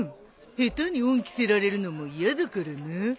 下手に恩着せられるのも嫌だからな。